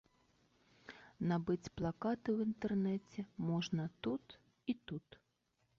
Набыць плакаты ў інтэрнэце можна тут і тут.